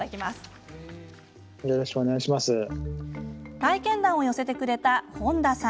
体験談を寄せてくれた本田さん。